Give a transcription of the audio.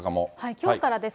きょうからです。